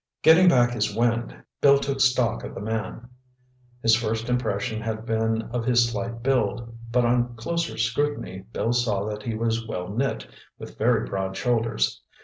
Getting back his wind, Bill took stock of the man. His first impression had been of his slight build, but on closer scrutiny Bill saw that he was well knit, with very broad shoulders.